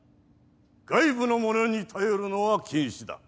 外部の者に頼るのは禁止だ。